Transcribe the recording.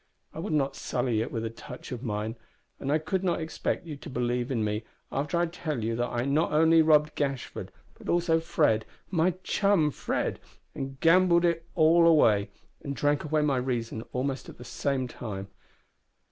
I would not sully it with a touch of mine, and I could not expect you to believe in me after I tell you that I not only robbed Gashford, but also Fred my chum Fred and gambled it all away, and drank away my reason almost at the same time...